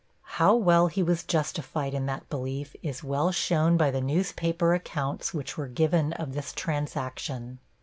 How well he was justified in that belief is well shown by the newspaper accounts which were given of this transaction.